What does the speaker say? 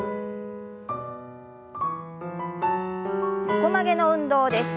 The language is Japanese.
横曲げの運動です。